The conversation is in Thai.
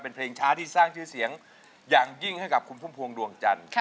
เป็นเพลงช้าที่สร้างชื่อเสียงอย่างยิ่งให้กับคุณพุ่มพวงดวงจันทร์